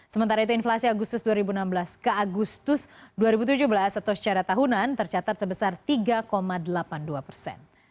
sementara itu inflasi agustus dua ribu enam belas ke agustus dua ribu tujuh belas atau secara tahunan tercatat sebesar tiga delapan puluh dua persen